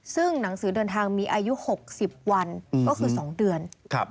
ซึ่งหนังสือเดินทางมีอายุ๖๐วันก็คือ๒เดือน